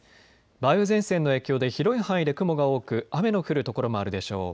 梅雨前線の影響で広い範囲で雲が多く雨の降る所もあるでしょう。